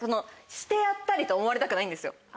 「してやったり」と思われたくないんですよ。